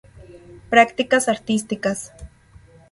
Prácticas artísticas.